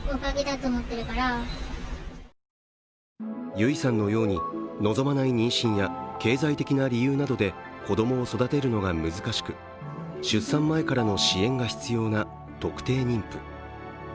ゆいさんのように、望まない妊娠や経済的な理由などで子供を育てるのが難しく、出産前からの支援が必要な特定妊婦。